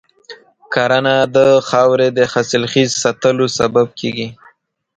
کرنه د خاورې د حاصلخیز ساتلو سبب کېږي.